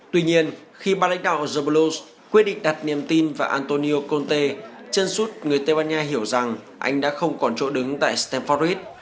tuy nhiên khi ba lãnh đạo zabalos quyết định đặt niềm tin vào antonio conte chân suốt người tây ban nha hiểu rằng anh đã không còn chỗ đứng tại stamford ridge